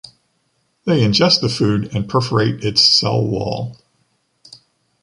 They ingest the food and perforate its cell wall.